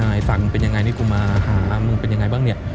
สั่งมึงเป็นยังไงนี่กูมาหามึงเป็นยังไงบ้างเนี่ย